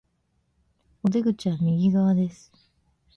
お出口は右側です